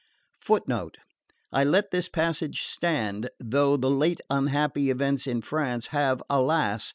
(Footnote: I let this passage stand, though the late unhappy events in France have, alas!